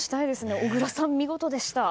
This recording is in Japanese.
小倉さん、見事でした。